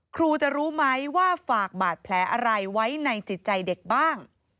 ครูจะรู้ไหมว่าฝากบาดแผลอะไรไว้ในจิตใจเด็กบ้าง